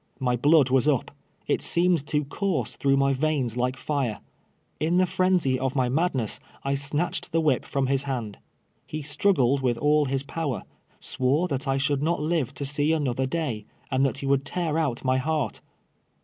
My blood was up. It seemed to course through my veins like fire. In the frenzy of my madness I snatched the whip from his hand. lie struggled with all his power ; swore that I should not live to see another day ; and that he would tear out my heart.